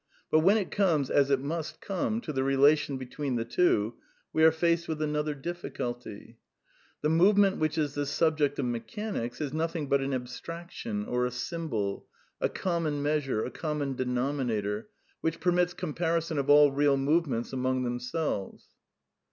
But when it comes, as it must come, to the relation between the two we are faced with another diflS culty. The movement which is the subject of mechanics ^^ is nothing but an abstraction, or a symbol, a common measure, a common denominator, which permits compari son of all real movements among themselves/* ' (Pages 226, 226.) (The italics are not M. Bergson's.)